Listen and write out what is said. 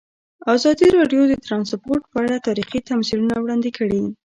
ازادي راډیو د ترانسپورټ په اړه تاریخي تمثیلونه وړاندې کړي.